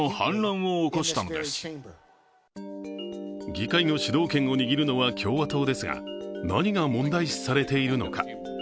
議会の主導権を握るのは共和党ですが、何が問題視されているのか。